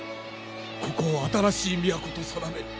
ここを新しい都と定める！